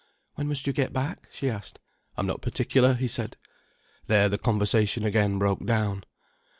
"When must you get back?" she asked. "I'm not particular," he said. There the conversation again broke down.